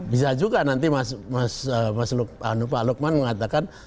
bisa juga nanti pak lukman mengatakan